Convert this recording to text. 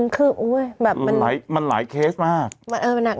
คือแบบมันหลายเคสมาก